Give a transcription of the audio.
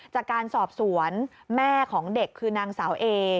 จากการสอบสวนแม่ของเด็กคือนางสาวเอ